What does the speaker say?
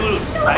lepasin aku kak